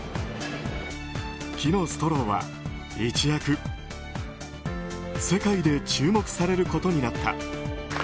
木のストローは一躍世界で注目されることになった。